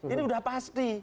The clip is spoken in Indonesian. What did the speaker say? ini udah pasti